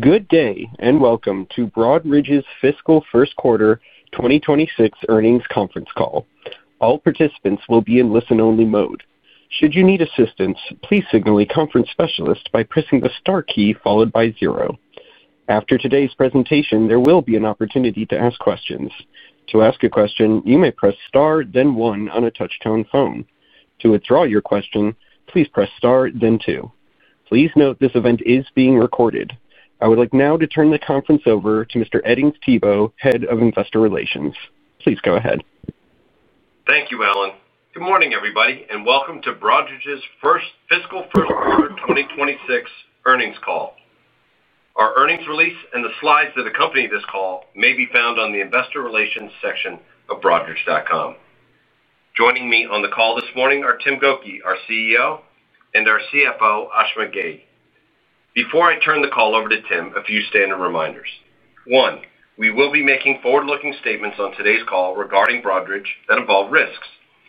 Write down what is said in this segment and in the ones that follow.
Good day and Welcome to Broadridge's Fiscal first quarter 2026 earnings conference call. All participants will be in listen-only mode. Should you need assistance, please signal a conference specialist by pressing the star key followed by zero. After today's presentation, there will be an opportunity to ask questions. To ask a question, you may press star, then one, on a touch-tone phone. To withdraw your question, please press star, then two. Please note this event is being recorded. I would like now to turn the conference over to Mr. Edings Thibault, Head of Investor Relations. Please go ahead. Thank you, Alan. Good morning, everybody, and Welcome to Broadridge's Fiscal first quarter 2026 earnings call. Our earnings release and the slides that accompany this call may be found on the Investor Relations section of broadridge.com. Joining me on the call this morning are Tim Gokey, our CEO, and our CFO, Ashima Ghei. Before I turn the call over to Tim, a few standard reminders. One, we will be making forward-looking statements on today's call regarding Broadridge that involve risks.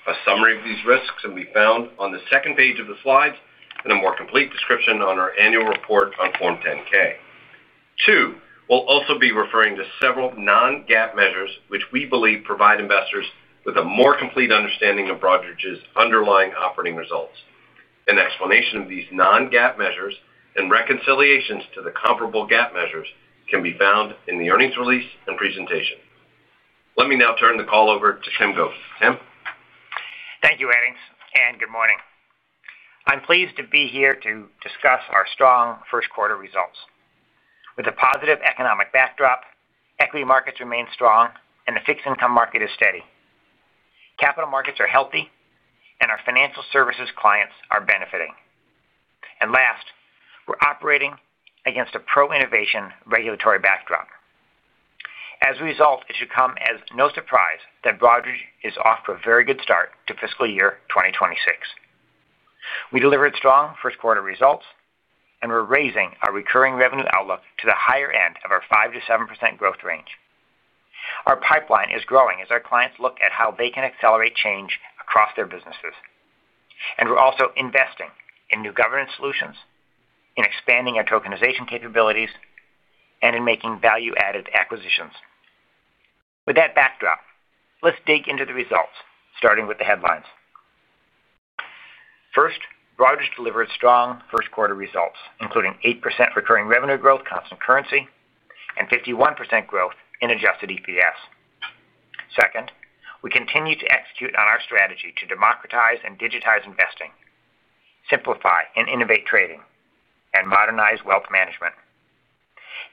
A summary of these risks can be found on the second page of the slides and a more complete description on our annual report on Form 10-K. Two, we'll also be referring to several non-GAAP measures which we believe provide investors with a more complete understanding of Broadridge's underlying operating results. An explanation of these non-GAAP measures and reconciliations to the comparable GAAP measures can be found in the earnings release and presentation. Let me now turn the call over to Tim Gokey. Tim. Thank you, Edings, and good morning. I'm pleased to be here to discuss our strong first-quarter results. With a positive economic backdrop, equity markets remain strong, and the fixed income market is steady. Capital markets are healthy, and our financial services clients are benefiting. And last, we're operating against a pro-innovation regulatory backdrop. As a result, it should come as no surprise that Broadridge is off to a very good start to fiscal year 2026. We delivered strong first-quarter results, and we're raising our recurring revenue outlook to the higher end of our 5%-7% growth range. Our pipeline is growing as our clients look at how they can accelerate change across their businesses. And we're also investing in new governance solutions, in expanding our tokenization capabilities, and in making value-added acquisitions. With that backdrop, let's dig into the results, starting with the headlines. First, Broadridge delivered strong first-quarter results, including 8% recurring revenue growth, constant currency, and 51% growth in Adjusted EPS. Second, we continue to execute on our strategy to democratize and digitize investing, simplify and innovate trading, and modernize wealth management.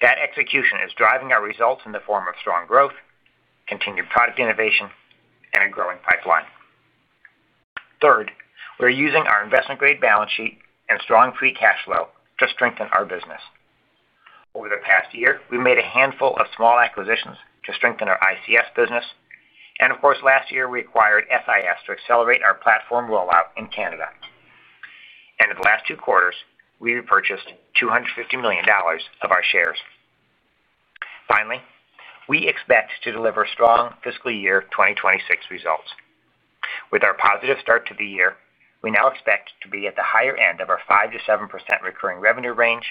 That execution is driving our results in the form of strong growth, continued product innovation, and a growing pipeline. Third, we're using our investment-grade balance sheet and strong free cash flow to strengthen our business. Over the past year, we've made a handful of small acquisitions to strengthen our ICS business. And of course, last year, we acquired SIS to accelerate our platform rollout in Canada. And in the last two quarters, we repurchased $250 million of our shares. Finally, we expect to deliver strong fiscal year 2026 results. With our positive start to the year, we now expect to be at the higher end of our 5%-7% recurring revenue range,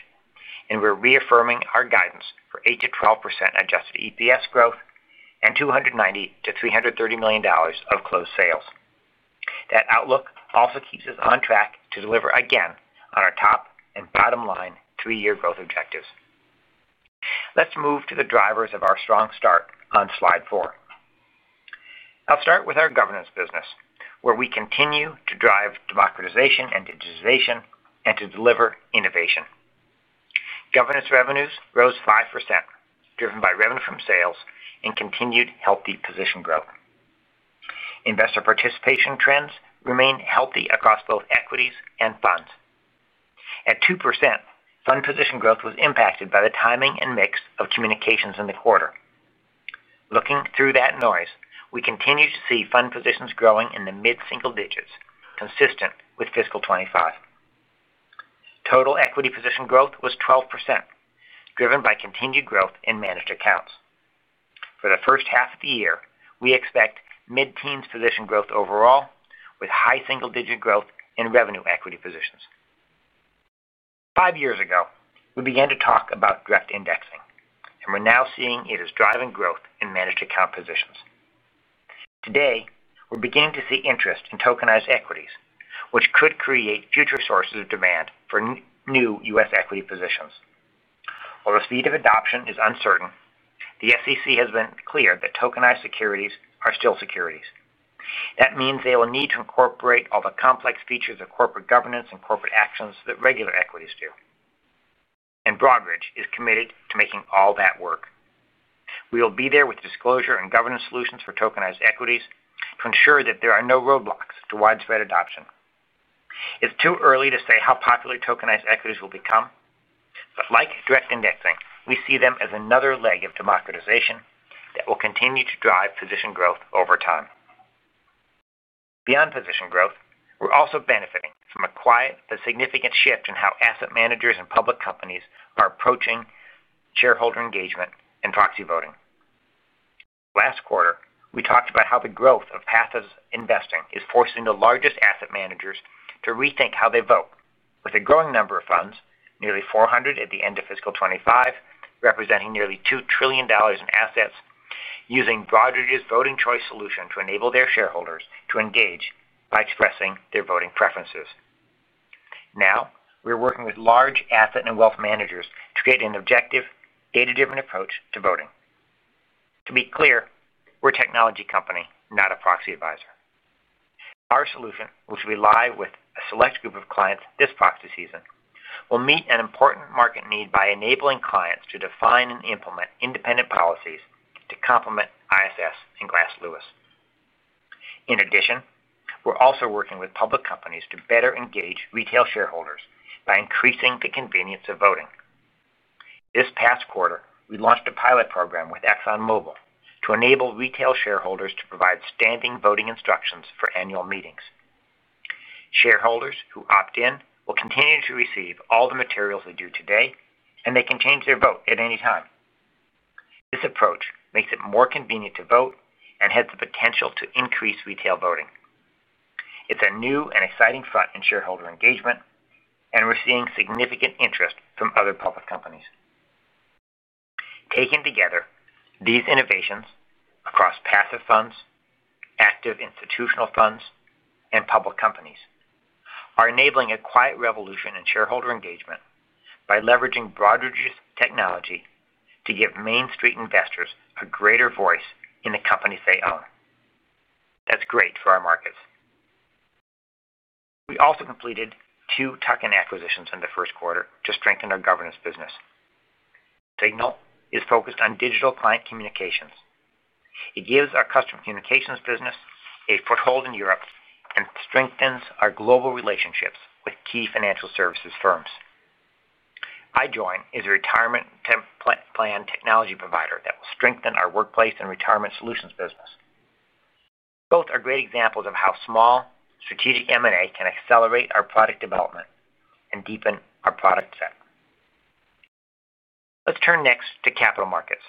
and we're reaffirming our guidance for 8%-12% Adjusted EPS growth and $290 million-$330 million of closed sales. That outlook also keeps us on track to deliver again on our top and bottom-line three-year growth objectives. Let's move to the drivers of our strong start on slide four. I'll start with our governance business, where we continue to drive democratization and digitization and to deliver innovation. Governance revenues rose 5%, driven by revenue from sales and continued healthy position growth. Investor participation trends remain healthy across both equities and funds. At 2%, fund position growth was impacted by the timing and mix of communications in the quarter. Looking through that noise, we continue to see fund positions growing in the mid-single digits, consistent with fiscal 2025. Total equity position growth was 12%, driven by continued growth in managed accounts. For the first half of the year, we expect mid-teens position growth overall, with high single-digit growth in revenue equity positions. Five years ago, we began to talk about direct indexing, and we're now seeing it is driving growth in managed account positions. Today, we're beginning to see interest in tokenized equities, which could create future sources of demand for new U.S. equity positions. While the speed of adoption is uncertain, the SEC has been clear that tokenized securities are still securities. That means they will need to incorporate all the complex features of corporate governance and corporate actions that regular equities do, and Broadridge is committed to making all that work. We will be there with disclosure and governance solutions for tokenized equities to ensure that there are no roadblocks to widespread adoption. It's too early to say how popular tokenized equities will become, but like direct indexing, we see them as another leg of democratization that will continue to drive position growth over time. Beyond position growth, we're also benefiting from a quiet but significant shift in how asset managers and public companies are approaching shareholder engagement and proxy voting. Last quarter, we talked about how the growth of passive investing is forcing the largest asset managers to rethink how they vote, with a growing number of funds, nearly 400 at the end of fiscal 2025, representing nearly $2 trillion in assets, using Broadridge's Voting Choice Solution to enable their shareholders to engage by expressing their voting preferences. Now, we're working with large asset and wealth managers to create an objective, data-driven approach to voting. To be clear, we're a technology company, not a proxy advisor. Our solution, which will be live with a select group of clients this proxy season, will meet an important market need by enabling clients to define and implement independent policies to complement ISS and Glass Lewis. In addition, we're also working with public companies to better engage retail shareholders by increasing the convenience of voting. This past quarter, we launched a pilot program with ExxonMobil to enable retail shareholders to provide standing voting instructions for annual meetings. Shareholders who opt in will continue to receive all the materials they do today, and they can change their vote at any time. This approach makes it more convenient to vote and has the potential to increase retail voting. It's a new and exciting front in shareholder engagement, and we're seeing significant interest from other public companies. Taken together, these innovations across passive funds, active institutional funds, and public companies are enabling a quiet revolution in shareholder engagement by leveraging Broadridge's technology to give Main Street investors a greater voice in the companies they own. That's great for our markets. We also completed two tuck-in acquisitions in the first quarter to strengthen our governance business. Signal is focused on digital client communications. It gives our customer communications business a foothold in Europe and strengthens our global relationships with key financial services firms. iJoin is a retirement plan technology provider that will strengthen our workplace and retirement solutions business. Both are great examples of how small strategic M&A can accelerate our product development and deepen our product set. Let's turn next to capital markets,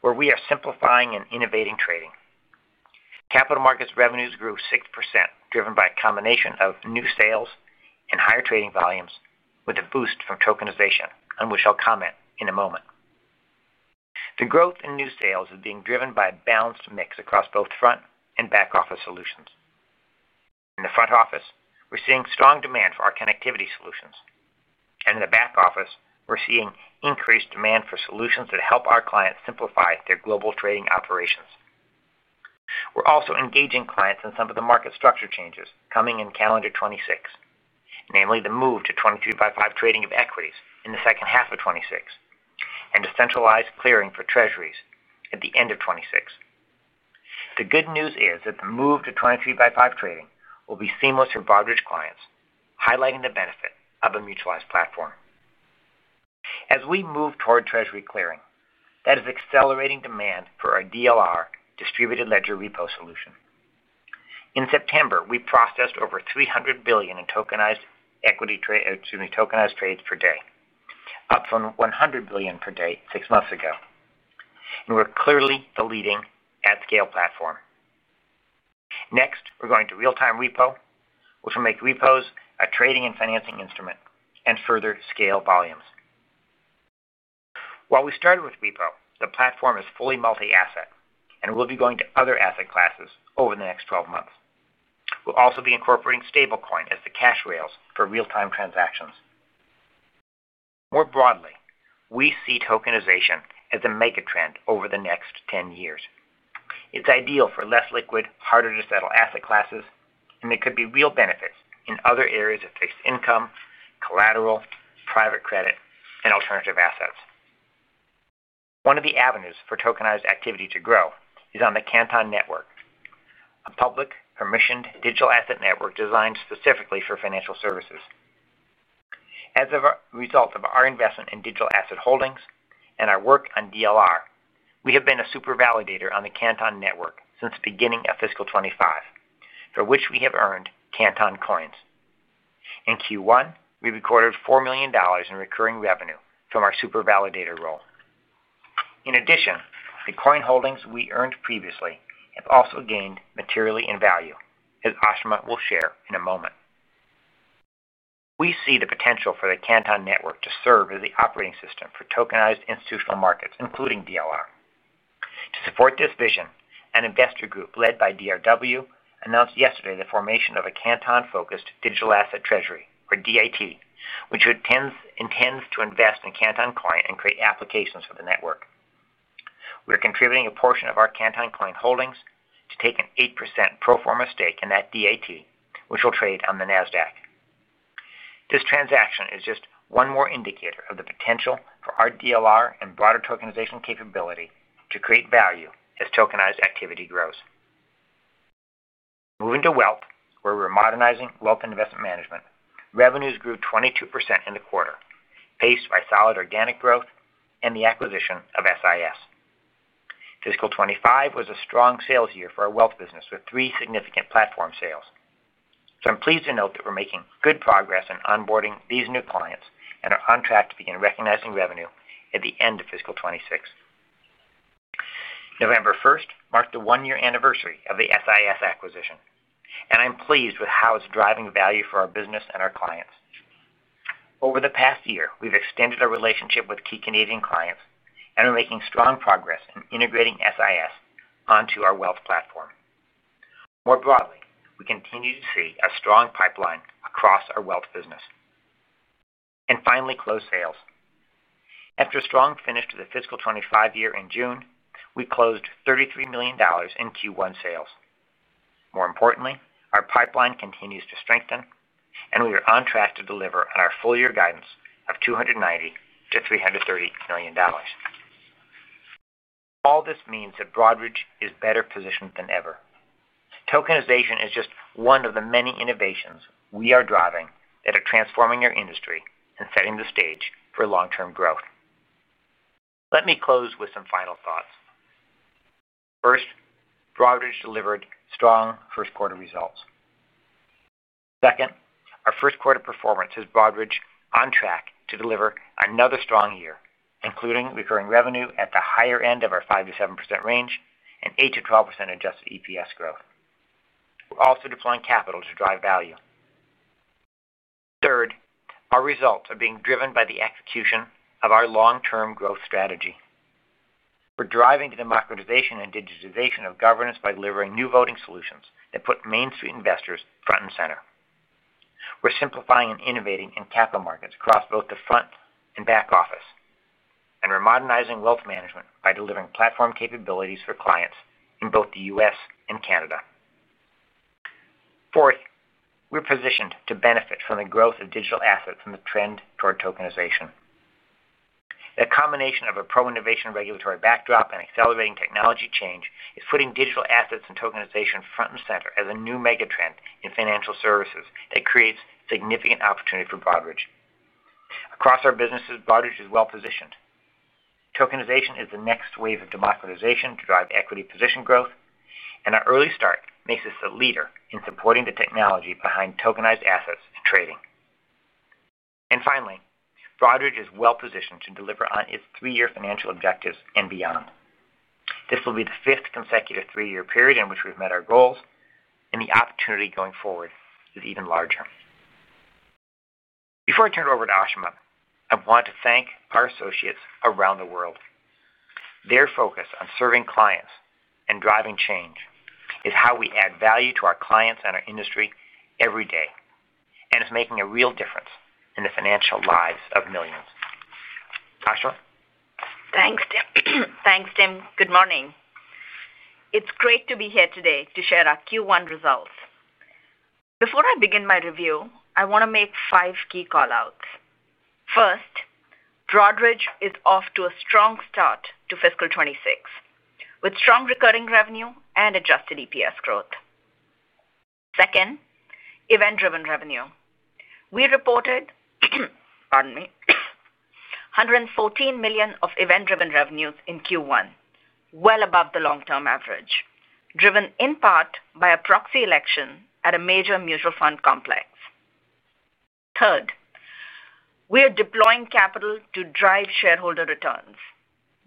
where we are simplifying and innovating trading. Capital markets revenues grew 6%, driven by a combination of new sales and higher trading volumes, with a boost from tokenization, and we shall comment in a moment. The growth in new sales is being driven by a balanced mix across both front and back office solutions. In the front office, we're seeing strong demand for our connectivity solutions. And in the back office, we're seeing increased demand for solutions that help our clients simplify their global trading operations. We're also engaging clients in some of the market structure changes coming in calendar 2026. Namely, the move to T+1 by 2025 trading of equities in the second half of 2026 and a centralized clearing for treasuries at the end of 2026. The good news is that the move to T+1 by 2025 trading will be seamless for Broadridge clients, highlighting the benefit of a mutualized platform. As we move toward treasury clearing, that is accelerating demand for our DLR, Distributed Ledger Repo solution. In September, we processed over $300 billion in tokenized trades per day, up from $100 billion per day six months ago. And we're clearly the leading at-scale platform. Next, we're going to real-time repo, which will make repos a trading and financing instrument and further scale volumes. While we started with repo, the platform is fully multi-asset, and we'll be going to other asset classes over the next 12 months. We'll also be incorporating stablecoin as the cash rails for real-time transactions. More broadly, we see tokenization as a mega trend over the next 10 years. It's ideal for less liquid, harder to settle asset classes, and there could be real benefits in other areas of fixed income, collateral, private credit, and alternative assets. One of the avenues for tokenized activity to grow is on the Canton Network. A public permissioned digital asset network designed specifically for financial services. As a result of our investment in digital asset holdings and our work on DLR, we have been a super validator on the Canton Network since the beginning of fiscal 2025, for which we have earned Canton Coins. In Q1, we recorded $4 million in recurring revenue from our super validator role. In addition, the coin holdings we earned previously have also gained materially in value, as Ashima will share in a moment. We see the potential for the Canton Network to serve as the operating system for tokenized institutional markets, including DLR. To support this vision, an investor group led by DRW announced yesterday the formation of a Canton-focused Digital Asset Treasury, or DAT, which intends to invest in Canton Coin and create applications for the network. We're contributing a portion of our Canton Coin holdings to take an 8% pro forma stake in that DAT, which will trade on the Nasdaq. This transaction is just one more indicator of the potential for our DLR and broader tokenization capability to create value as tokenized activity grows. Moving to wealth, where we're modernizing wealth investment management, revenues grew 22% in the quarter, paced by solid organic growth and the acquisition of SIS. Fiscal 2025 was a strong sales year for our wealth business with three significant platform sales. So I'm pleased to note that we're making good progress in onboarding these new clients and are on track to begin recognizing revenue at the end of fiscal 2026. November 1st marked the one-year anniversary of the SIS acquisition, and I'm pleased with how it's driving value for our business and our clients. Over the past year, we've extended our relationship with key Canadian clients, and we're making strong progress in integrating SIS onto our wealth platform. More broadly, we continue to see a strong pipeline across our wealth business. And finally, close sales. After a strong finish to the fiscal 2025 year in June, we closed $33 million in Q1 sales. More importantly, our pipeline continues to strengthen, and we are on track to deliver on our full-year guidance of $290 million-$330 million. All this means that Broadridge is better positioned than ever. Tokenization is just one of the many innovations we are driving that are transforming our industry and setting the stage for long-term growth. Let me close with some final thoughts. First, Broadridge delivered strong first-quarter results. Second, our first-quarter performance has brought on track to deliver another strong year, including recurring revenue at the higher end of our 5%-7% range and 8%-12% Adjusted EPS growth. We're also deploying capital to drive value. Third, our results are being driven by the execution of our long-term growth strategy. We're driving democratization and digitization of governance by delivering new voting solutions that put Main Street investors front and center. We're simplifying and innovating in capital markets across both the front and back office, and we're modernizing wealth management by delivering platform capabilities for clients in both the US and Canada. Fourth, we're positioned to benefit from the growth of digital assets and the trend toward tokenization. A combination of a pro-innovation regulatory backdrop and accelerating technology change is putting digital assets and tokenization front and center as a new mega trend in financial services that creates significant opportunity for Broadridge. Across our businesses, Broadridge is well positioned. Tokenization is the next wave of democratization to drive equity position growth, and our early start makes us a leader in supporting the technology behind tokenized assets trading. And finally, Broadridge is well positioned to deliver on its three-year financial objectives and beyond. This will be the fifth consecutive three-year period in which we've met our goals, and the opportunity going forward is even larger. Before I turn it over to Ashima, I want to thank our associates around the world. Their focus on serving clients and driving change is how we add value to our clients and our industry every day, and it's making a real difference in the financial lives of millions. Ashima? Thanks, Tim. Thanks, Tim. Good morning. It's great to be here today to share our Q1 results. Before I begin my review, I want to make five key callouts. First. Broadridge is off to a strong start to fiscal 2026, with strong recurring revenue and Adjusted EPS growth. Second, event-driven revenue. We reported. Pardon me, $114 million of event-driven revenues in Q1, well above the long-term average, driven in part by a proxy election at a major mutual fund complex. Third. We are deploying capital to drive shareholder returns.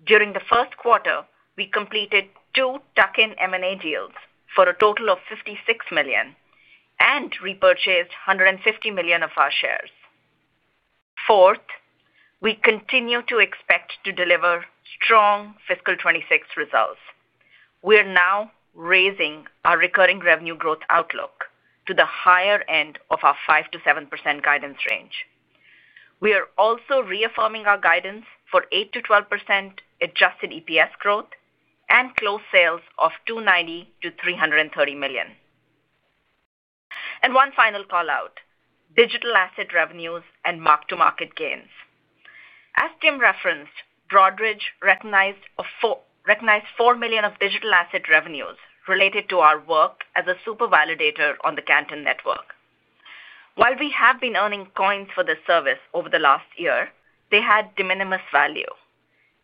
During the first quarter, we completed two tuck-in M&A deals for a total of $56 million and repurchased $150 million of our shares. Fourth, we continue to expect to deliver strong fiscal 2026 results. We are now raising our recurring revenue growth outlook to the higher end of our 5%-7% guidance range. We are also reaffirming our guidance for 8%-12% Adjusted EPS growth and cash sales of $290 million-$330 million. And one final callout: digital asset revenues and mark-to-market gains. As Tim referenced, Broadridge recognized $4 million of digital asset revenues related to our work as a super validator on the Canton Network. While we have been earning coins for this service over the last year, they had de minimis value.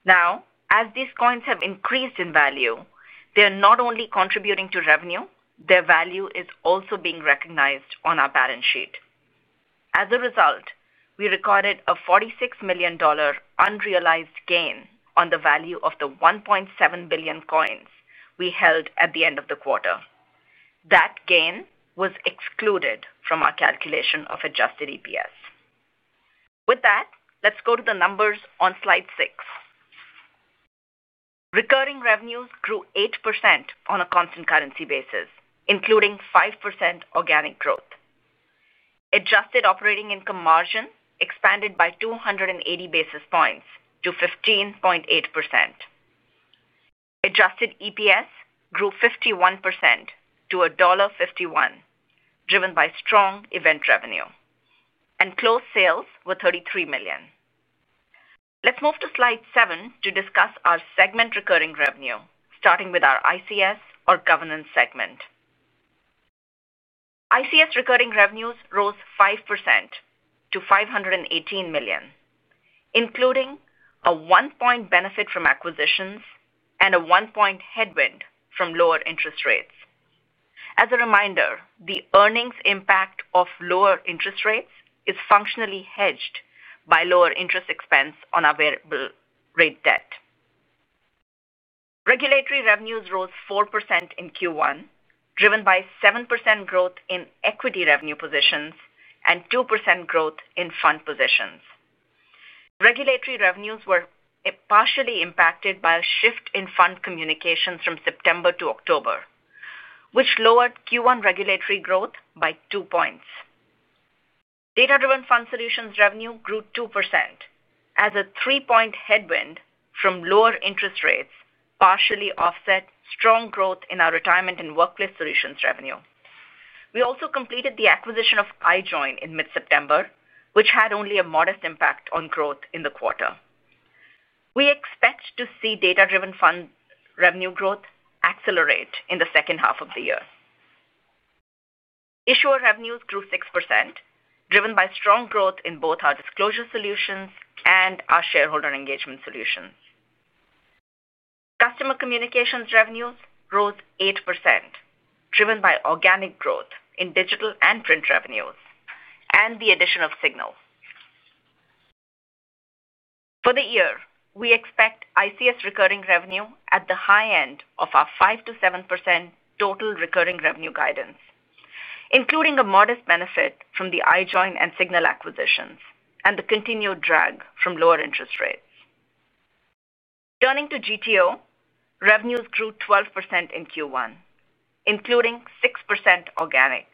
Now, as these coins have increased in value, they are not only contributing to revenue. Their value is also being recognized on our balance sheet. As a result, we recorded a $46 million unrealized gain on the value of the 1.7 billion coins we held at the end of the quarter. That gain was excluded from our calculation of Adjusted EPS. With that, let's go to the numbers on slide six. Recurring revenues grew 8% on a constant currency basis, including 5% organic growth. Adjusted operating income margin expanded by 280 basis points to 15.8%. Adjusted EPS grew 51% to $1.51, driven by strong event revenue. And cash sales were $33 million. Let's move to slide seven to discuss our segment recurring revenue, starting with our ICS, or governance segment. ICS recurring revenues rose 5% to $518 million, including a one-point benefit from acquisitions and a one-point headwind from lower interest rates. As a reminder, the earnings impact of lower interest rates is functionally hedged by lower interest expense on variable-rate debt. Regulatory revenues rose 4% in Q1, driven by 7% growth in equity revenue positions and 2% growth in fund positions. Regulatory revenues were partially impacted by a shift in fund communications from September to October, which lowered Q1 regulatory growth by two points. Data-driven fund solutions revenue grew 2% as a three-point headwind from lower interest rates partially offset strong growth in our retirement and workplace solutions revenue. We also completed the acquisition of iJoin in mid-September, which had only a modest impact on growth in the quarter. We expect to see data-driven fund revenue growth accelerate in the second half of the year. Issuer revenues grew 6%, driven by strong growth in both our disclosure solutions and our shareholder engagement solutions. Customer communications revenues rose 8%, driven by organic growth in digital and print revenues and the addition of Signal. For the year, we expect ICS recurring revenue at the high end of our 5%-7% total recurring revenue guidance, including a modest benefit from the iJoin and Signal acquisitions and the continued drag from lower interest rates. Turning to GTO, revenues grew 12% in Q1, including 6% organic.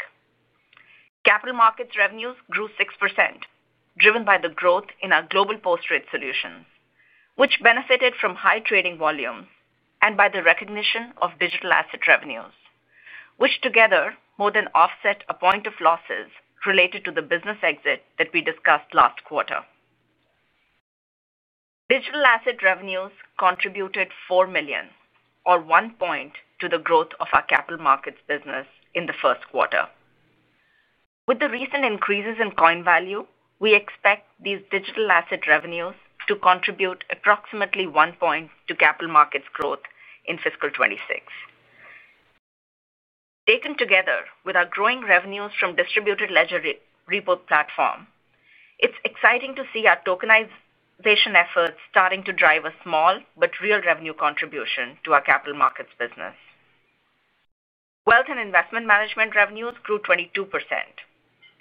Capital markets revenues grew 6%, driven by the growth in our global post-trade solutions, which benefited from high trading volumes and by the recognition of digital asset revenues, which together more than offset a point of losses related to the business exit that we discussed last quarter. Digital asset revenues contributed $4 million, or one point, to the growth of our capital markets business in the first quarter. With the recent increases in coin value, we expect these digital asset revenues to contribute approximately one point to capital markets growth in fiscal 2026. Taken together with our growing revenues from Distributed Ledger Repo platform, it's exciting to see our tokenization efforts starting to drive a small but real revenue contribution to our capital markets business. Wealth and investment management revenues grew 22%,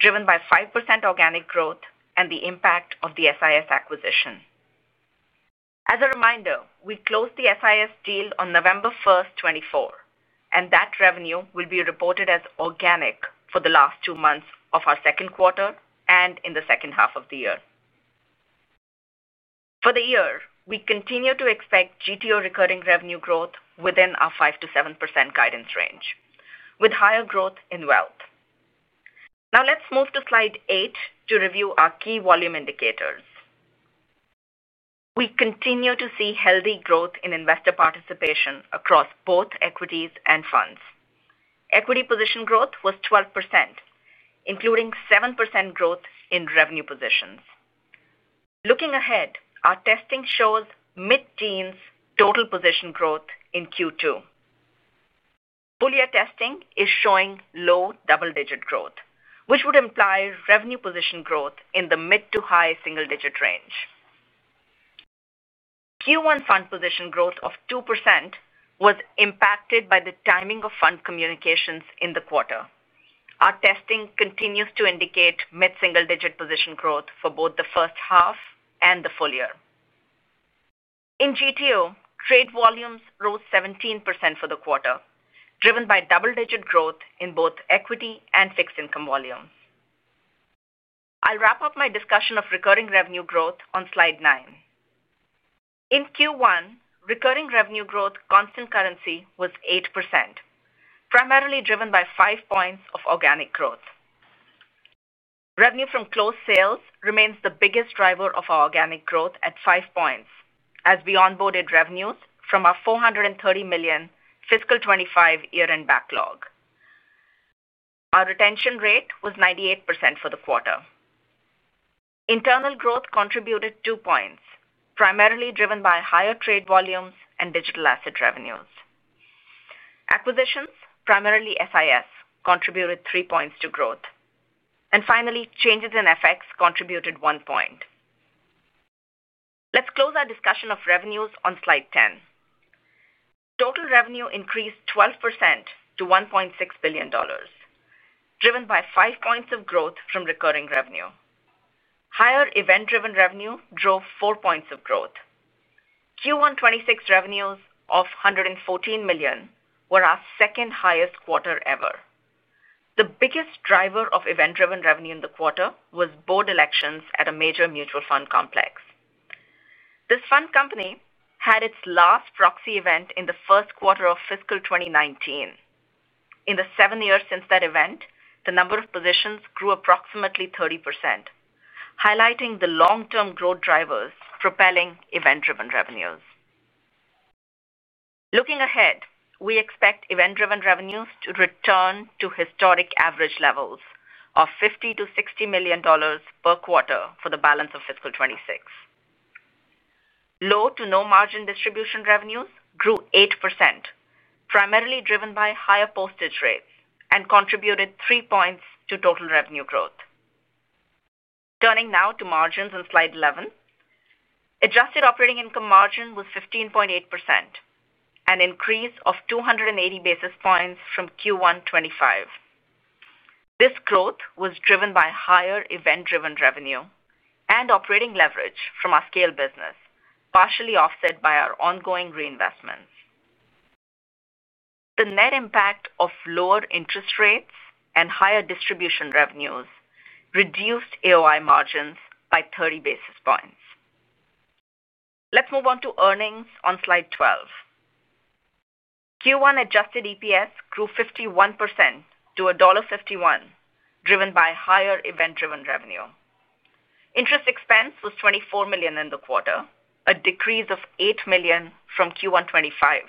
driven by 5% organic growth and the impact of the SIS acquisition. As a reminder, we closed the SIS deal on November 1st, 2024, and that revenue will be reported as organic for the last two months of our second quarter and in the second half of the year. For the year, we continue to expect GTO recurring revenue growth within our 5%-7% guidance range, with higher growth in wealth. Now let's move to slide eight to review our key volume indicators. We continue to see healthy growth in investor participation across both equities and funds. Equity position growth was 12%, including 7% growth in revenue positions. Looking ahead, our testing shows mid-teens total position growth in Q2. Boolean testing is showing low double-digit growth, which would imply revenue position growth in the mid to high single-digit range. Q1 fund position growth of 2% was impacted by the timing of fund communications in the quarter. Our testing continues to indicate mid-single-digit position growth for both the first half and the full year. In GTO, trade volumes rose 17% for the quarter, driven by double-digit growth in both equity and fixed income volumes. I'll wrap up my discussion of recurring revenue growth on slide nine. In Q1, recurring revenue growth constant currency was 8%. Primarily driven by five points of organic growth. Revenue from close sales remains the biggest driver of our organic growth at five points, as we onboarded revenues from our $430 million fiscal 2025 year-end backlog. Our retention rate was 98% for the quarter. Internal growth contributed two points, primarily driven by higher trade volumes and digital asset revenues. Acquisitions, primarily SIS, contributed three points to growth. And finally, changes in FX contributed one point. Let's close our discussion of revenues on slide ten. Total revenue increased 12% to $1.6 billion, driven by five points of growth from recurring revenue. Higher event-driven revenue drove four points of growth. Q1 2026 revenues of $114 million were our second highest quarter ever. The biggest driver of event-driven revenue in the quarter was board elections at a major mutual fund complex. This fund company had its last proxy event in the first quarter of fiscal 2019. In the seven years since that event, the number of positions grew approximately 30%. Highlighting the long-term growth drivers propelling event-driven revenues. Looking ahead, we expect event-driven revenues to return to historic average levels of $50 million-$60 million per quarter for the balance of fiscal 2026. Low to no margin distribution revenues grew 8%, primarily driven by higher postage rates, and contributed three points to total revenue growth. Turning now to margins on slide eleven. Adjusted operating income margin was 15.8%, an increase of 280 basis points from Q1 2025. This growth was driven by higher event-driven revenue and operating leverage from our scale business, partially offset by our ongoing reinvestments. The net impact of lower interest rates and higher distribution revenues reduced AOI margins by 30 basis points. Let's move on to earnings on slide twelve. Q1 Adjusted EPS grew 51% to $1.51, driven by higher event-driven revenue. Interest expense was $24 million in the quarter, a decrease of $8 million from Q1 2025,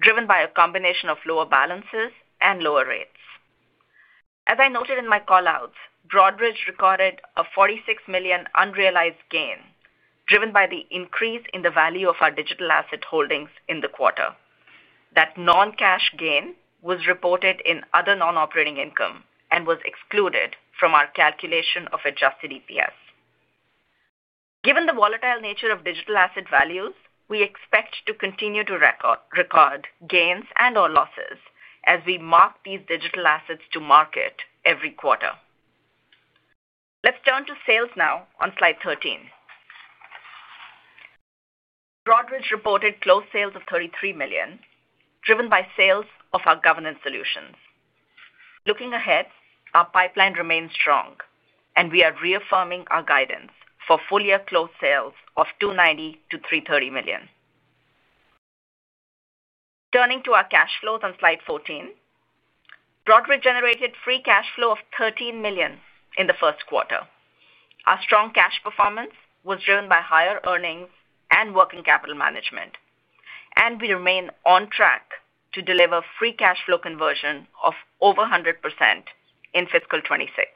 driven by a combination of lower balances and lower rates. As I noted in my callouts, Broadridge recorded a $46 million unrealized gain, driven by the increase in the value of our digital asset holdings in the quarter. That non-cash gain was reported in other non-operating income and was excluded from our calculation of Adjusted EPS. Given the volatile nature of digital asset values, we expect to continue to record gains and/or losses as we mark these digital assets to market every quarter. Let's turn to sales now on slide thirteen. Broadridge reported close sales of $33 million, driven by sales of our governance solutions. Looking ahead, our pipeline remains strong, and we are reaffirming our guidance for full year close sales of $290 million-$330 million. Turning to our cash flows on slide fourteen. Broadridge generated free cash flow of $13 million in the first quarter. Our strong cash performance was driven by higher earnings and working capital management. We remain on track to deliver free cash flow conversion of over 100% in fiscal 2026.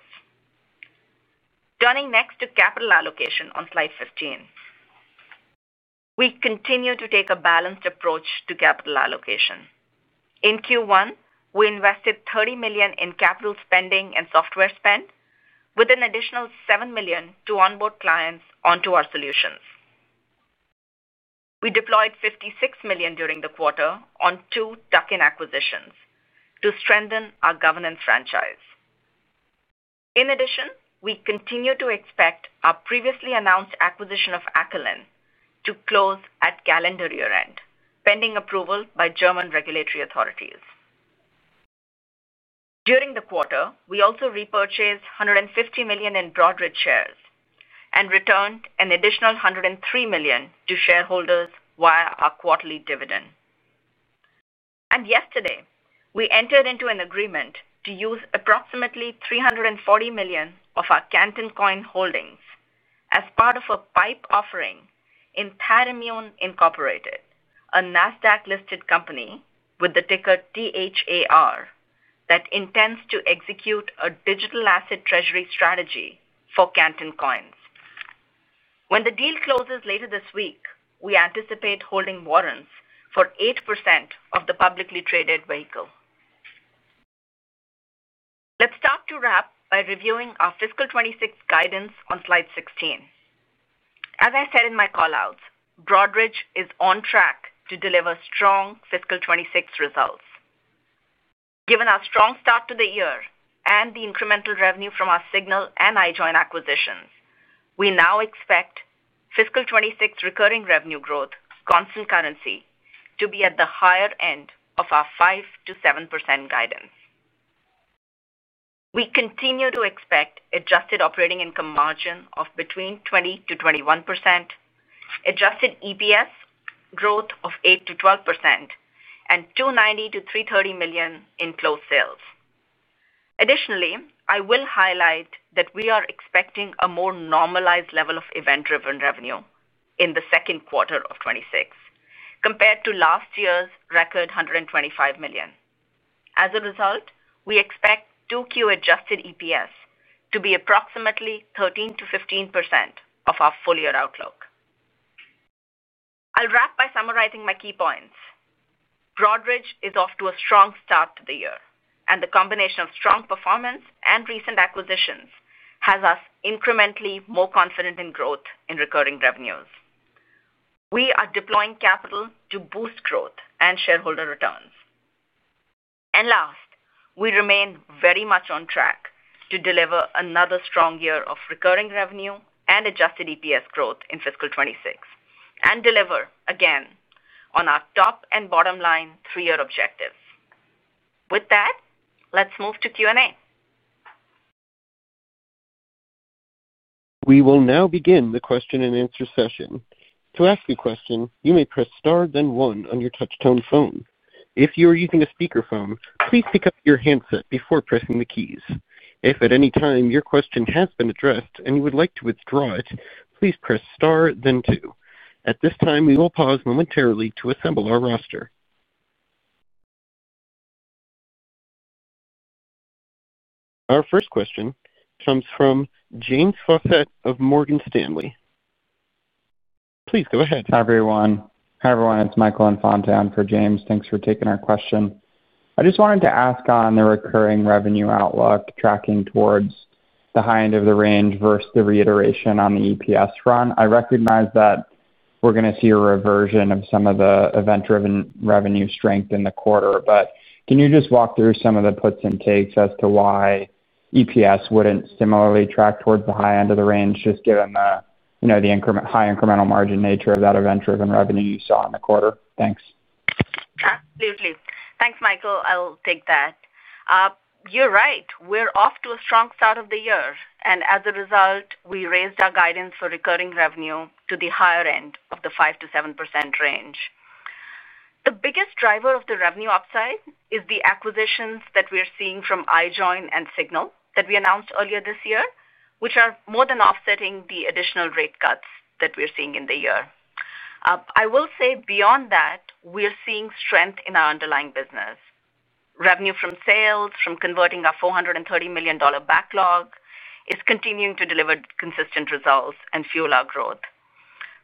Turning next to capital allocation on slide 15. We continue to take a balanced approach to capital allocation. In Q1, we invested $30 million in capital spending and software spend, with an additional $7 million to onboard clients onto our solutions. We deployed $56 million during the quarter on two tuck-in acquisitions to strengthen our governance franchise. In addition, we continue to expect our previously announced acquisition of Acolin to close at calendar year-end, pending approval by German regulatory authorities. During the quarter, we also repurchased $150 million in Broadridge shares and returned an additional $103 million to shareholders via our quarterly dividend. And yesterday, we entered into an agreement to use approximately $340 million of our Canton Coins holdings as part of a PIPE offering in Paramount Incorporated, a Nasdaq-listed company with the ticker THAR that intends to execute a Digital Asset Treasury strategy for Canton Coins. When the deal closes later this week, we anticipate holding warrants for 8% of the publicly traded vehicle. Let's start to wrap by reviewing our fiscal 2026 guidance on slide 16. As I said in my callouts, Broadridge is on track to deliver strong fiscal 2026 results. Given our strong start to the year and the incremental revenue from our Signal and iJoin acquisitions, we now expect fiscal 2026 recurring revenue growth constant currency to be at the higher end of our 5%-7% guidance. We continue to expect adjusted operating income margin of between 20%-21%. Adjusted EPS growth of 8%-12%, and $290 million-$330 million in cross-sell sales. Additionally, I will highlight that we are expecting a more normalized level of event-driven revenue in the second quarter of 2026 compared to last year's record $125 million. As a result, we expect Q2 Adjusted EPS to be approximately 13%-15% of our full year outlook. I'll wrap by summarizing my key points. Broadridge is off to a strong start to the year, and the combination of strong performance and recent acquisitions has us incrementally more confident in growth in recurring revenues. We are deploying capital to boost growth and shareholder returns. And last, we remain very much on track to deliver another strong year of recurring revenue and Adjusted EPS growth in fiscal 2026 and deliver again on our top and bottom line three-year objectives. With that, let's move to Q&A. We will now begin the question and answer session. To ask a question, you may press star then one on your touch-tone phone. If you are using a speakerphone, please pick up your handset before pressing the keys. If at any time your question has been addressed and you would like to withdraw it, please press star then two. At this time, we will pause momentarily to assemble our roster. Our first question comes from James Fawcett of Morgan Stanley. Please go ahead. Hi everyone. Hi everyone. It's Michael Infante for James. Thanks for taking our question. I just wanted to ask on the recurring revenue outlook tracking towards the high end of the range versus the reiteration on the EPS front. I recognize that we're going to see a reversion of some of the event-driven revenue strength in the quarter, but can you just walk through some of the puts and takes as to why EPS wouldn't similarly track towards the high end of the range just given the. Incremental margin nature of that event-driven revenue you saw in the quarter? Thanks. Absolutely. Thanks, Michael. I'll take that. You're right. We're off to a strong start of the year, and as a result, we raised our guidance for recurring revenue to the higher end of the 5%-7% range. The biggest driver of the revenue upside is the acquisitions that we're seeing from iJoin and Signal that we announced earlier this year, which are more than offsetting the additional rate cuts that we're seeing in the year. I will say beyond that, we're seeing strength in our underlying business. Revenue from sales, from converting our $430 million backlog, is continuing to deliver consistent results and fuel our growth.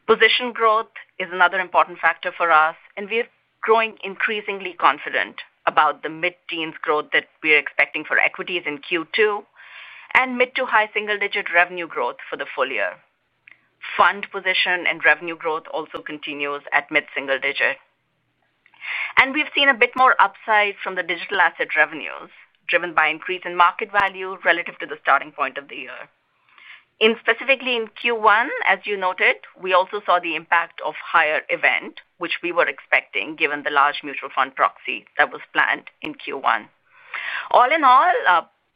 Position growth is another important factor for us, and we're growing increasingly confident about the mid-teens growth that we're expecting for equities in Q2 and mid- to high-single-digit revenue growth for the full year. Fund position and revenue growth also continues at mid-single digit. And we've seen a bit more upside from the digital asset revenues driven by increase in market value relative to the starting point of the year. Specifically in Q1, as you noted, we also saw the impact of higher event-driven, which we were expecting given the large mutual fund proxy that was planned in Q1. All in all,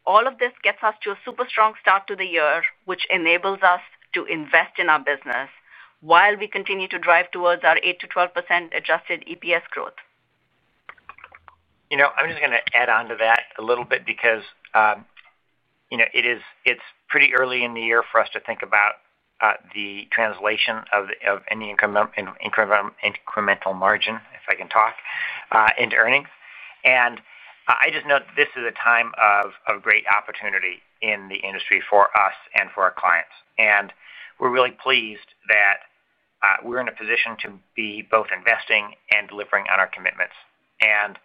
all of this gets us to a super strong start to the year, which enables us to invest in our business. While we continue to drive towards our 8%-12% Adjusted EPS growth. You know, I'm just going to add on to that a little bit because. It's pretty early in the year for us to think about. The translation of any incremental margin, if I can talk, into earnings. And I just note this is a time of great opportunity in the industry for us and for our clients. And we're really pleased that. We're in a position to be both investing and delivering on our commitments. And.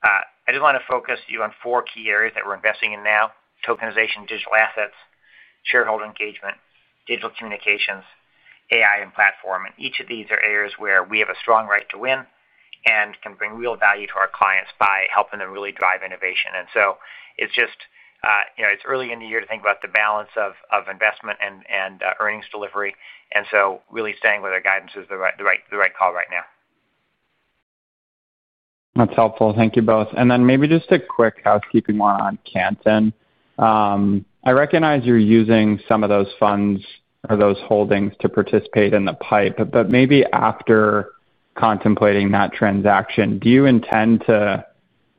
I just want to focus you on four key areas that we're investing in now: tokenization, digital assets, shareholder engagement, digital communications, AI, and platform. And each of these are areas where we have a strong right to win and can bring real value to our clients by helping them really drive innovation. And so it's just. It's early in the year to think about the balance of investment and earnings delivery. And so really staying with our guidance is the right call right now. That's helpful. Thank you both. And then maybe just a quick housekeeping one on Canton. I recognize you're using some of those funds or those holdings to participate in the PIPE, but maybe after contemplating that transaction, do you intend to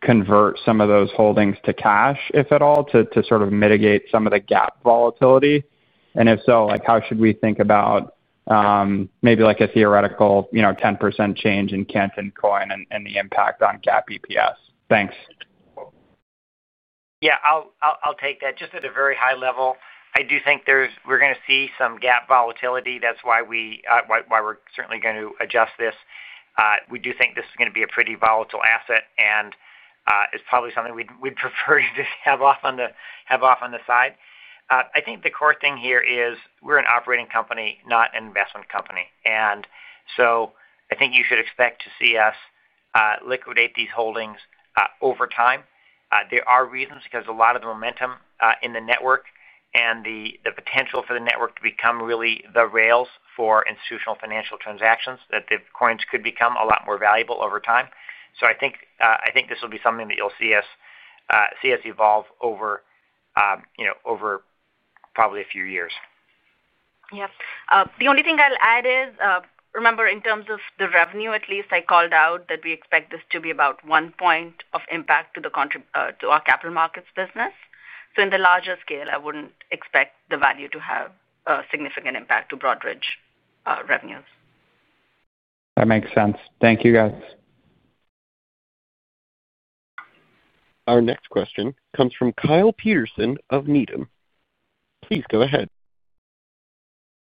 convert some of those holdings to cash, if at all, to sort of mitigate some of the GAAP volatility? And if so, how should we think about maybe a theoretical 10% change in Canton Coin and the impact on GAAP EPS? Thanks. Yeah, I'll take that. Just at a very high level, I do think we're going to see some GAAP volatility. That's why we're certainly going to adjust this. We do think this is going to be a pretty volatile asset, and it's probably something we'd prefer to just have off on the side. I think the core thing here is we're an operating company, not an investment company. And so I think you should expect to see us liquidate these holdings over time. There are reasons because a lot of the momentum in the network and the potential for the network to become really the rails for institutional financial transactions that the coins could become a lot more valuable over time. So I think this will be something that you'll see us evolve over probably a few years. Yep. The only thing I'll add is, remember, in terms of the revenue, at least I called out that we expect this to be about one point of impact to our capital markets business. So in the larger scale, I wouldn't expect the value to have a significant impact to Broadridge revenues. That makes sense. Thank you, guys. Our next question comes from Kyle Peterson of Needham. Please go ahead.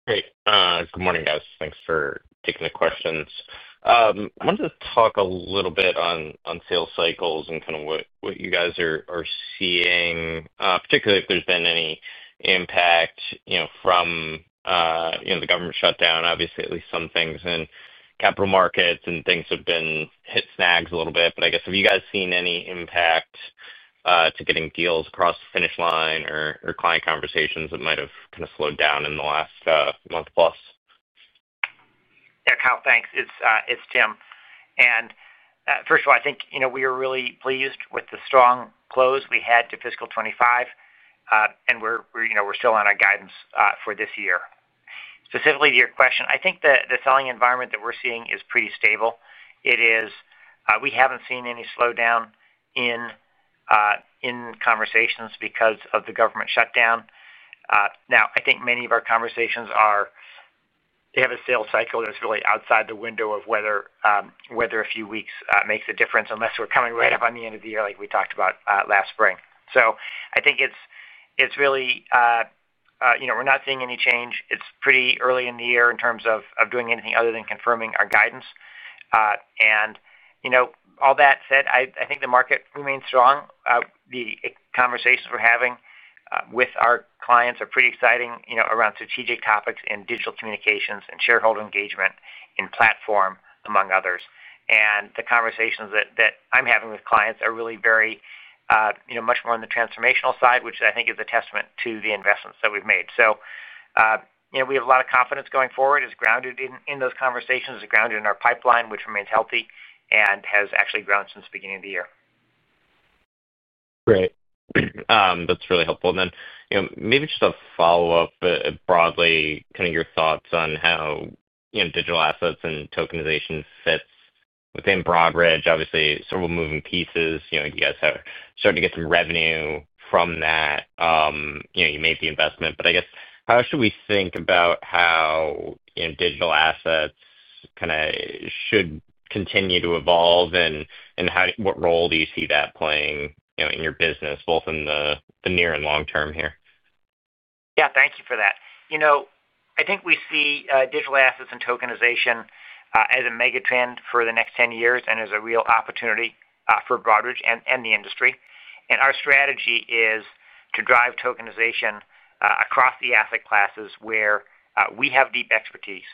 Great. Good morning, guys. Thanks for taking the questions. I wanted to talk a little bit on sales cycles and kind of what you guys are seeing, particularly if there's been any impact from the government shutdown, obviously, at least some things in capital markets and things have been hit snags a little bit. But I guess, have you guys seen any impact to getting deals across the finish line or client conversations that might have kind of slowed down in the last month plus? Yeah, Kyle, thanks. It's Tim. And first of all, I think we are really pleased with the strong close we had to fiscal 2025. And we're still on our guidance for this year. Specifically to your question, I think the selling environment that we're seeing is pretty stable. We haven't seen any slowdown in conversations because of the government shutdown. Now, I think many of our conversations are they have a sales cycle that's really outside the window of whether a few weeks makes a difference unless we're coming right up on the end of the year like we talked about last spring. So I think it's really. We're not seeing any change. It's pretty early in the year in terms of doing anything other than confirming our guidance. All that said, I think the market remains strong. The conversations we're having with our clients are pretty exciting around strategic topics in digital communications and shareholder engagement in platform, among others. And the conversations that I'm having with clients are really very much more on the transformational side, which I think is a testament to the investments that we've made. So we have a lot of confidence going forward is grounded in those conversations, is grounded in our pipeline, which remains healthy and has actually grown since the beginning of the year. Great. That's really helpful. And then maybe just a follow-up broadly, kind of your thoughts on how digital assets and tokenization fits within Broadridge. Obviously, several moving pieces. You guys have started to get some revenue from that. You made the investment. But I guess, how should we think about how digital assets kind of should continue to evolve? And what role do you see that playing in your business, both in the near and long term here? Yeah, thank you for that. I think we see digital assets and tokenization as a megatrend for the next 10 years and as a real opportunity for Broadridge and the industry. And our strategy is to drive tokenization across the asset classes where we have deep expertise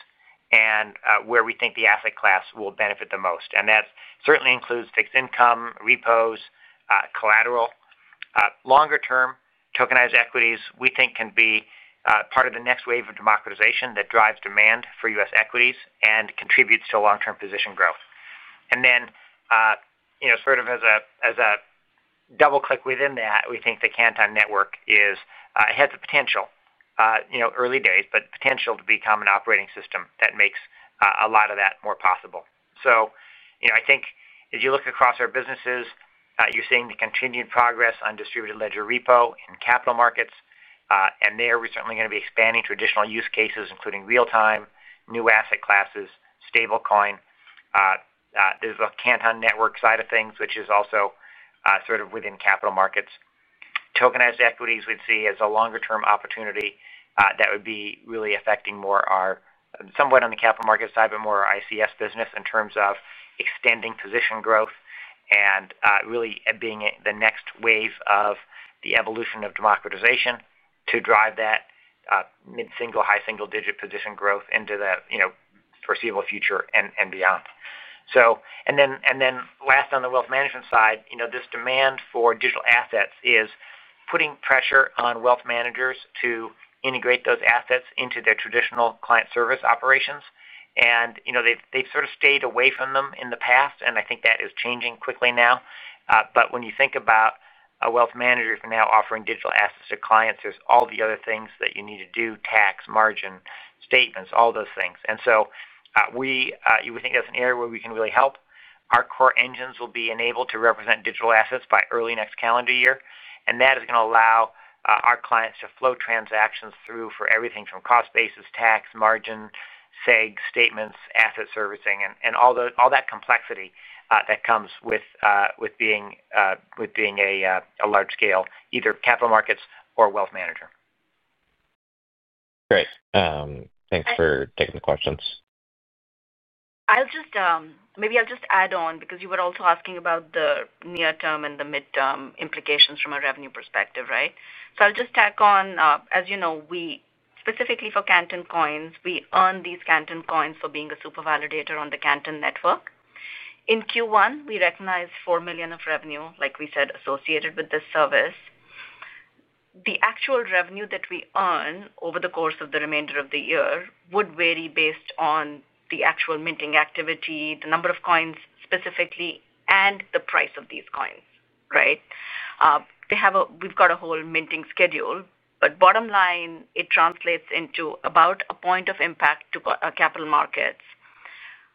and where we think the asset class will benefit the most. And that certainly includes fixed income, repos, collateral. Longer-term tokenized equities, we think, can be part of the next wave of democratization that drives demand for U.S. equities and contributes to long-term position growth. And then sort of as a double-click within that, we think the Canton Network has the potential. Early days, but potential to become an operating system that makes a lot of that more possible. So I think as you look across our businesses, you're seeing the continued progress on Distributed Ledger Repo in capital markets. And there, we're certainly going to be expanding traditional use cases, including real-time, new asset classes, stablecoin. There's the Canton Network side of things, which is also sort of within capital markets. Tokenized equities, we'd see as a longer-term opportunity that would be really affecting more our somewhat on the capital market side, but more our ICS business in terms of extending position growth and really being the next wave of the evolution of democratization to drive that. Mid-single, high-single digit position growth into the foreseeable future and beyond. And then last, on the wealth management side, this demand for digital assets is putting pressure on wealth managers to integrate those assets into their traditional client service operations. And they've sort of stayed away from them in the past, and I think that is changing quickly now. But when you think about. A wealth manager now offering digital assets to clients, there's all the other things that you need to do: tax, margin, statements, all those things. And so. We think that's an area where we can really help. Our core engines will be enabled to represent digital assets by early next calendar year. And that is going to allow our clients to flow transactions through for everything from cost basis, tax, margin, SEG, statements, asset servicing, and all that complexity that comes with being a large-scale either capital markets or wealth manager. Great. Thanks for taking the questions. Maybe I'll just add on because you were also asking about the near-term and the mid-term implications from a revenue perspective, right? So I'll just tack on, as you know, specifically for Canton Coins, we earn these Canton Coins for being a super validator on the Canton network. In Q1, we recognize $4 million of revenue, like we said, associated with this service. The actual revenue that we earn over the course of the remainder of the year would vary based on the actual minting activity, the number of coins specifically, and the price of these coins, right? We've got a whole minting schedule, but bottom line, it translates into about a point of impact to capital markets.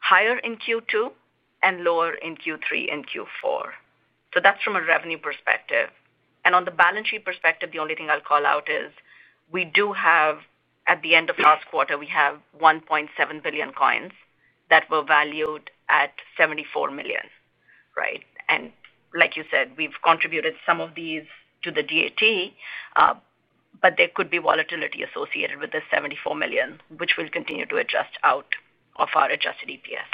Higher in Q2 and lower in Q3 and Q4. So that's from a revenue perspective. And on the balance sheet perspective, the only thing I'll call out is we do have, at the end of last quarter, we have 1.7 billion coins that were valued at $74 million, right? And like you said, we've contributed some of these to the DAT. But there could be volatility associated with this $74 million, which we'll continue to adjust out of our Adjusted EPS.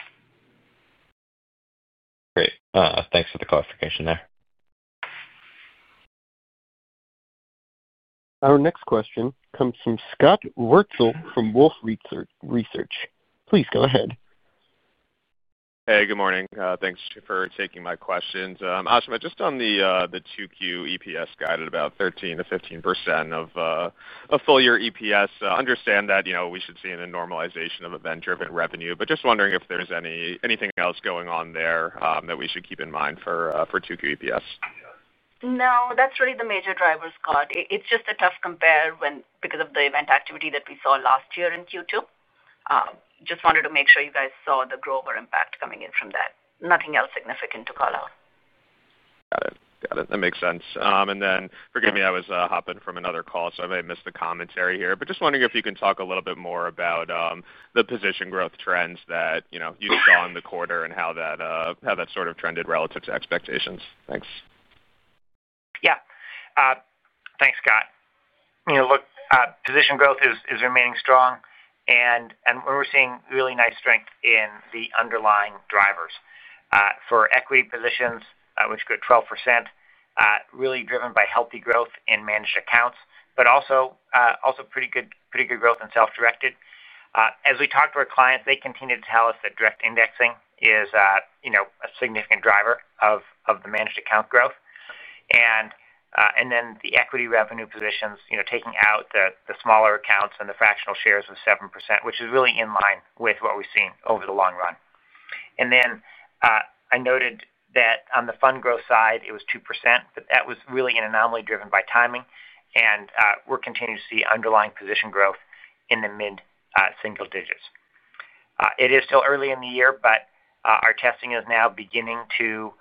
Great. Thanks for the clarification there. Our next question comes from Scott Wurtzel from Wolfe Research. Please go ahead. Hey, good morning. Thanks for taking my questions. Awesome. Just on the 2Q EPS guide, at about 13%-15% of a full year EPS, understand that we should see a normalization of event-driven revenue. But just wondering if there's anything else going on there that we should keep in mind for 2Q EPS. No, that's really the major drivers, Scott. It's just a tough compare because of the event activity that we saw last year in Q2. Just wanted to make sure you guys saw the growth or impact coming in from that. Nothing else significant to call out. Got it. Got it. That makes sense. And then forgive me, I was hopping from another call, so I may have missed the commentary here. But just wondering if you can talk a little bit more about the position growth trends that you saw in the quarter and how that sort of trended relative to expectations. Thanks. Yeah. Thanks, Scott. Look, position growth is remaining strong. And we're seeing really nice strength in the underlying drivers. For equity positions, which go 12%. Really driven by healthy growth in managed accounts, but also pretty good growth in self-directed. As we talk to our clients, they continue to tell us that direct indexing is a significant driver of the managed account growth. And then the equity revenue positions, taking out the smaller accounts and the fractional shares of 7%, which is really in line with what we've seen over the long run. And then I noted that on the fund growth side, it was 2%, but that was really an anomaly driven by timing. And we're continuing to see underlying position growth in the mid-single digits. It is still early in the year, but our testing is now beginning to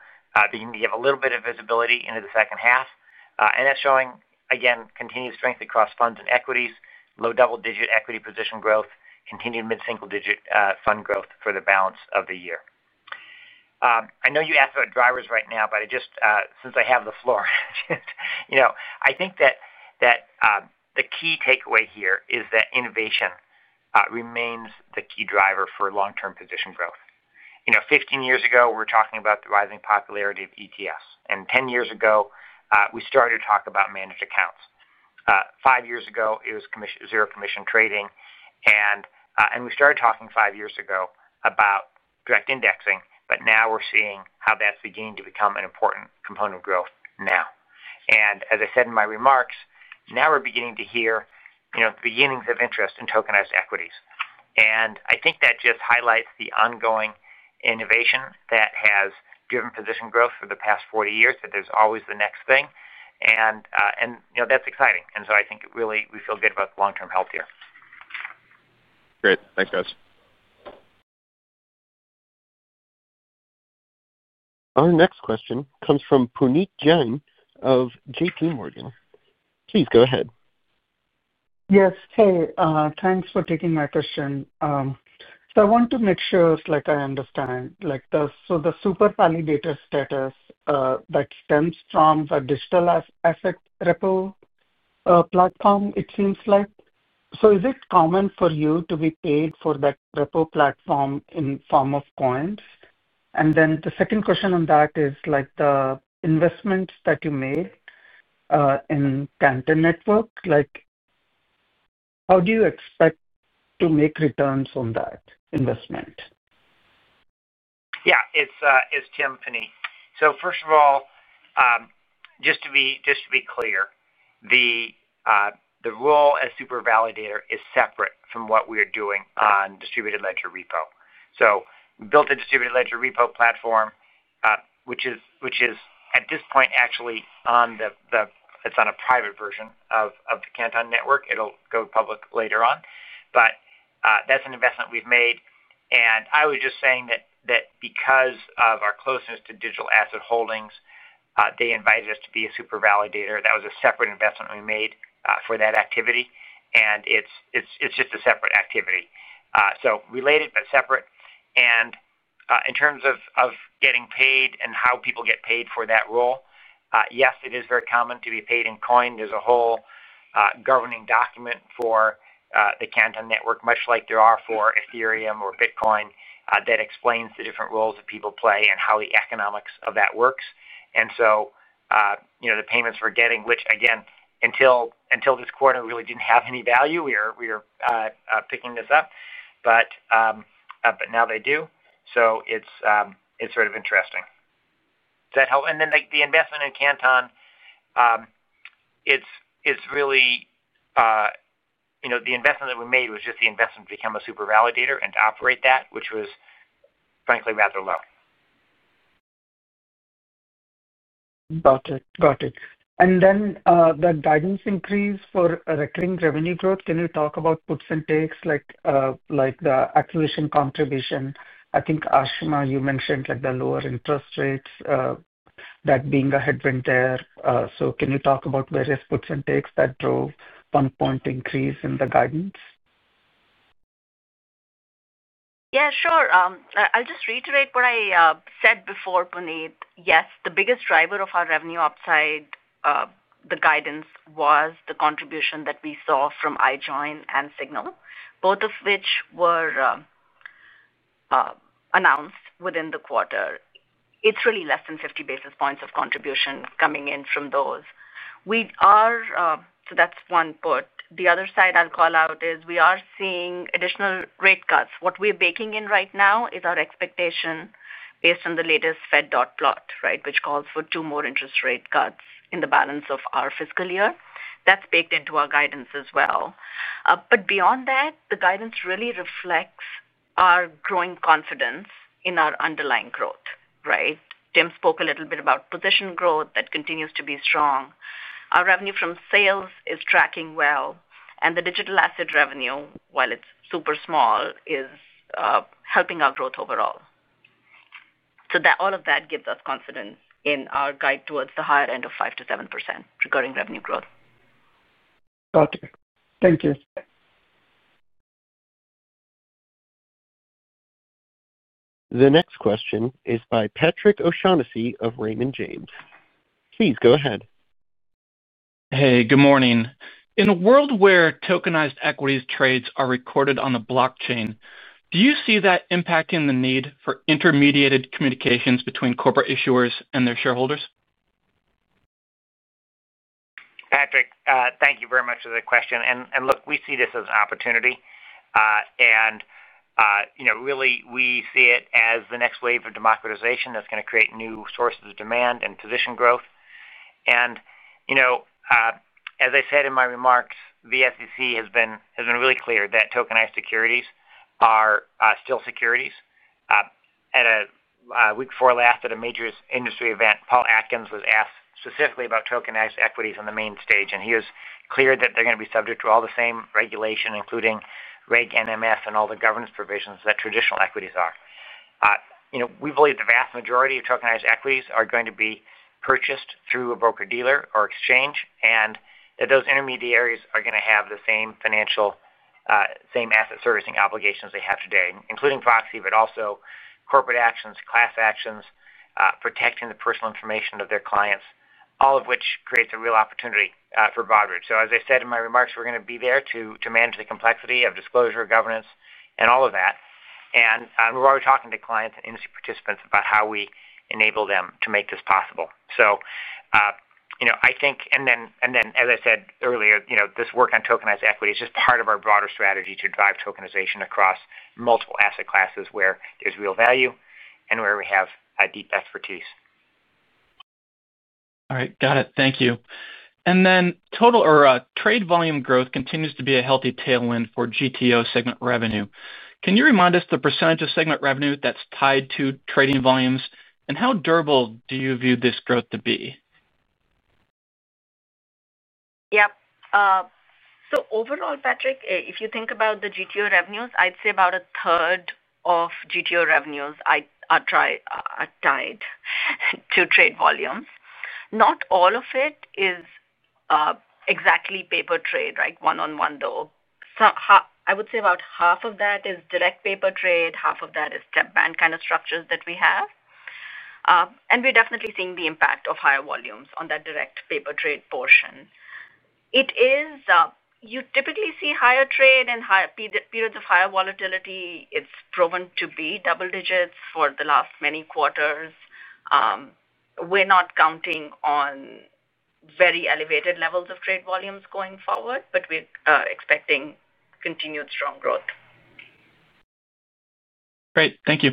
give a little bit of visibility into the second half. And that's showing, again, continued strength across funds and equities, low double-digit equity position growth, continued mid-single digit fund growth for the balance of the year. I know you asked about drivers right now, but since I have the floor, I think that the key takeaway here is that innovation remains the key driver for long-term position growth. 15 years ago, we were talking about the rising popularity of ETFs. And 10 years ago, we started to talk about managed accounts. Five years ago, it was zero-commission trading. And we started talking five years ago about direct indexing, but now we're seeing how that's beginning to become an important component of growth now. And as I said in my remarks, now we're beginning to hear the beginnings of interest in tokenized equities. And I think that just highlights the ongoing innovation that has driven position growth for the past 40 years, that there's always the next thing. And that's exciting. And so I think really we feel good about the long-term health here. Great. Thanks, guys. Our next question comes from Puneet Jain of JPMorgan. Please go ahead. Yes. Hey, thanks for taking my question. So I want to make sure, like I understand. So the super validator status that stems from the digital asset repo platform, it seems like. So is it common for you to be paid for that repo platform in the form of coins? And then the second question on that is the investments that you made in Canton Network. How do you expect to make returns on that investment? Yeah. It's Tim, Puneet. So first of all, just to be clear, the role as super validator is separate from what we're doing on Distributed Ledger Repo. So we built a Distributed Ledger Repo platform, which is at this point actually on the. It's on a private version of the Canton Network. It'll go public later on. But that's an investment we've made. And I was just saying that because of our closeness to digital asset holdings, they invited us to be a super validator. That was a separate investment we made for that activity. And it's just a separate activity. So related, but separate. And in terms of getting paid and how people get paid for that role, yes, it is very common to be paid in coin. There's a whole governing document for the Canton Network, much like there are for Ethereum or Bitcoin, that explains the different roles that people play and how the economics of that works. And so the payments we're getting, which, again, until this quarter, we really didn't have any value. We were picking this up. But now they do. So it's sort of interesting. Does that help? And then the investment in Canton. It's really the investment that we made was just the investment to become a super validator and to operate that, which was frankly rather low. Got it. Got it. And then the guidance increase for recurring revenue growth, can you talk about percentages like the acquisition contribution? I think, Ashima, you mentioned the lower interest rates that being a headwind there. So can you talk about various percentages that drove one-point increase in the guidance? Yeah, sure. I'll just reiterate what I said before, Puneet. Yes, the biggest driver of our revenue upside, the guidance, was the contribution that we saw from iJoin and Signal, both of which were announced within the quarter. It's really less than 50 basis points of contribution coming in from those. So that's one part. The other side I'll call out is we are seeing additional rate cuts. What we're baking in right now is our expectation based on the latest Fed dot plot, right, which calls for two more interest rate cuts in the balance of our fiscal year. That's baked into our guidance as well. But beyond that, the guidance really reflects our growing confidence in our underlying growth, right? Tim spoke a little bit about position growth that continues to be strong. Our revenue from sales is tracking well. And the digital asset revenue, while it's super small, is helping our growth overall. So all of that gives us confidence in our guide towards the higher end of 5%-7% recurring revenue growth. Got it. Thank you. The next question is by Patrick O'Shaughnessy of Raymond James. Please go ahead. Hey, good morning. In a world where tokenized equities trades are recorded on the blockchain, do you see that impacting the need for intermediated communications between corporate issuers and their shareholders? Patrick, thank you very much for the question. And look, we see this as an opportunity. And really, we see it as the next wave of democratization that's going to create new sources of demand and position growth. And as I said in my remarks, the SEC has been really clear that tokenized securities are still securities. Week before last at a major industry event, Paul Atkins was asked specifically about tokenized equities on the main stage. And he was clear that they're going to be subject to all the same regulation, including Reg NMS and all the governance provisions that traditional equities are. We believe the vast majority of tokenized equities are going to be purchased through a broker-dealer or exchange, and that those intermediaries are going to have the same asset servicing obligations they have today, including proxy, but also corporate actions, class actions, protecting the personal information of their clients, all of which creates a real opportunity for Broadridge. So as I said in my remarks, we're going to be there to manage the complexity of disclosure, governance, and all of that. And we're already talking to clients and industry participants about how we enable them to make this possible. So. I think, and then, as I said earlier, this work on tokenized equity is just part of our broader strategy to drive tokenization across multiple asset classes where there's real value and where we have deep expertise. All right. Got it. Thank you. And then trade volume growth continues to be a healthy tailwind for GTO segment revenue. Can you remind us the percentage of segment revenue that's tied to trading volumes, and how durable do you view this growth to be? Yep. So overall, Patrick, if you think about the GTO revenues, I'd say about a third of GTO revenues are tied to trade volumes. Not all of it is exactly post-trade, right, one-on-one, though. I would say about half of that is direct post-trade. Half of that is agent bank kind of structures that we have. And we're definitely seeing the impact of higher volumes on that direct post-trade portion. You typically see higher trade in periods of higher volatility. It's proven to be double digits for the last many quarters. We're not counting on very elevated levels of trade volumes going forward, but we're expecting continued strong growth. Great. Thank you.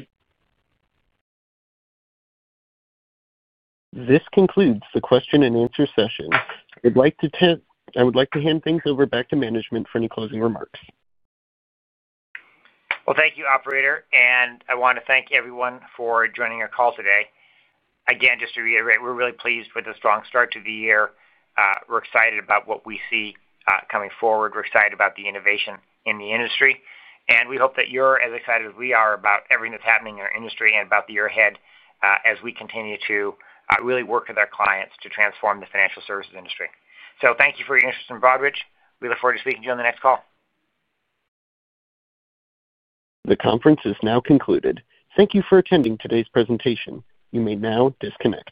This concludes the question and answer session. I would like to hand things over back to management for any closing remarks. Well, thank you, operator. And I want to thank everyone for joining our call today. Again, just to reiterate, we're really pleased with the strong start to the year. We're excited about what we see coming forward. We're excited about the innovation in the industry. And we hope that you're as excited as we are about everything that's happening in our industry and about the year ahead as we continue to really work with our clients to transform the financial services industry. So thank you for your interest in Broadridge. We look forward to speaking to you on the next call. The conference is now concluded. Thank you for attending today's presentation. You may now disconnect.